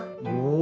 お！